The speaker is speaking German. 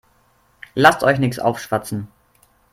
Lasst euch nichts aufschwatzen.